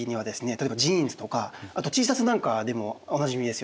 例えばジーンズとかあとＴシャツなんかでもおなじみですよね。